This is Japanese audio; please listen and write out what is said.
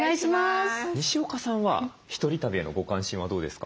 にしおかさんは１人旅へのご関心はどうですか？